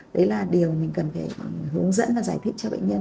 đấy là điều mình cần phải hướng dẫn và giải thích cho bệnh nhân